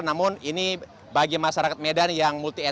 namun ini bagi masyarakat medan yang multi event